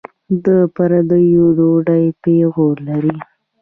د پردیو ډوډۍ پېغور لري.